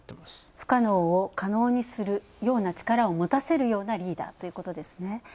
不可能を可能にするような力を持たせるようなリーダーっていうことですね。